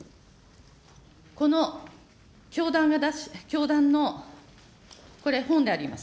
この教団のこれ、本であります。